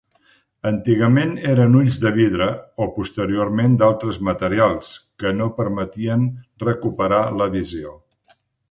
Antigament eren ulls de vidre, o posteriorment d'altres materials, que no permetien recuperar la visió.